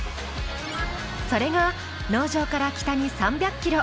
それが農場から北に３００ｋｍ